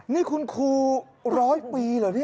นี่คุณครู๑๐๐ปีเหรอ